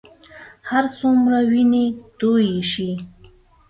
هرڅومره وینې تویې شي.